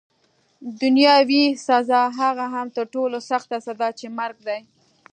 دنیاوي سزا، هغه هم تر ټولو سخته سزا چي مرګ دی.